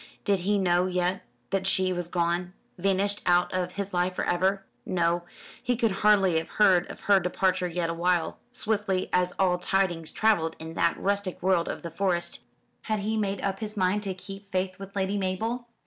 Did he know yet that she was gone vanished out of his life for ever? No; he could hardly have heard of her departure yet awhile, swiftly as all tidings travelled in that rustic world of the Forest. Had he made up his mind to keep faith with Lady Mabel?